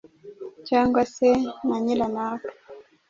cyangwa se na nyiranaka